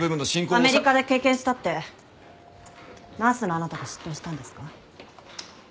アメリカで経験したってナースのあなたが執刀したんですか？